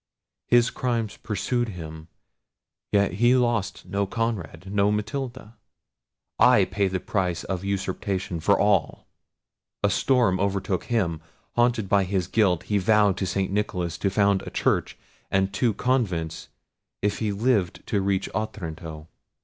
His crimes pursued him—yet he lost no Conrad, no Matilda! I pay the price of usurpation for all! A storm overtook him. Haunted by his guilt he vowed to St. Nicholas to found a church and two convents, if he lived to reach Otranto.